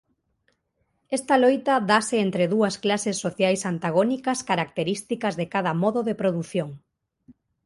Esta loita dáse entre dúas clases sociais antagónicas características de cada modo de produción.